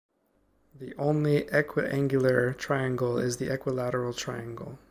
The only equiangular triangle is the equilateral triangle.